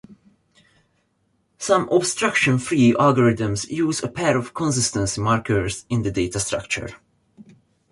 Some obstruction-free algorithms use a pair of "consistency markers" in the data structure.